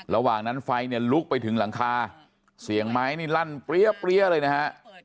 ระหว่างนั้นไฟเนี่ยลุกไปถึงหลังคาเสียงไม้นี่ลั่นเปรี้ยเลยนะฮะ